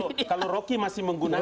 jadi kalau roky masih menggunakan